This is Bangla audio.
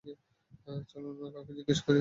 চলুন, অন্য কাউকে জিজ্ঞেস করে নিবো।